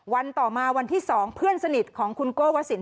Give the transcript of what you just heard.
ต่อมาวันที่๒เพื่อนสนิทของคุณโก้วสิน